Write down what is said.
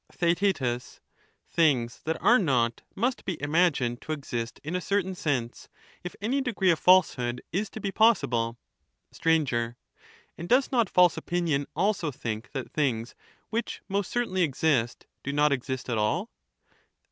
the same Theaet, Thmgs that are not must be imagined to exist in a paradox, certain sense, if any degree of falsehood is to be possible. Str, And does not false opinion also think that things which most certainly exist do not exist at all